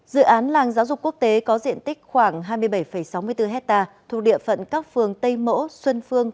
dự án làng giáo dục quốc tế có diện tích khoảng hai mươi bảy sáu mươi bốn hectare thu địa phận các phường tây mỗ xuân phương